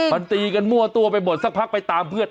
มันตีกันมั่วตัวไปหมดสักพักไปตามเพื่อน